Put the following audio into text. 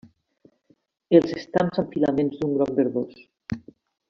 Els estams amb filaments d'un groc verdós.